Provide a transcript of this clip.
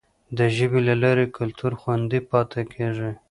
د ژبي له لارې کلتور خوندي پاتې کیږي.